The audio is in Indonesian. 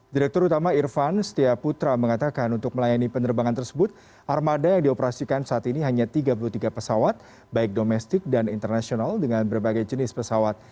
direktur utama irfan setia putra mengatakan untuk melayani penerbangan tersebut armada yang dioperasikan saat ini hanya tiga puluh tiga pesawat baik domestik dan internasional dengan berbagai jenis pesawat